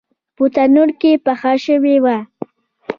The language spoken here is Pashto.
په تندور کې پخه شوې وه.